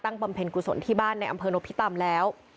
บำเพ็ญกุศลที่บ้านในอำเภอนพิตำแล้ว